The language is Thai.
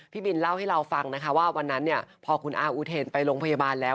พี่บินเล่าให้เราฟังนะคะว่าวันนั้นเนี่ยพอคุณอาอุเทนไปโรงพยาบาลแล้ว